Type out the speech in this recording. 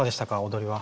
踊りは。